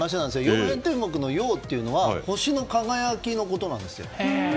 曜変天目の「曜」というのは星の輝きなんですよ。